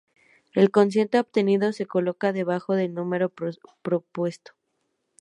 El cociente obtenido se coloca debajo del número propuesto.